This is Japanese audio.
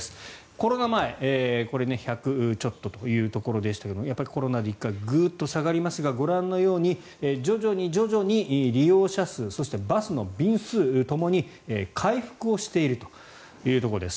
コロナ前、１００ちょっとというところでしたがコロナで１回グッと下がりますがご覧のように徐々に徐々に利用者数そしてバスの便数ともに回復をしているというところです。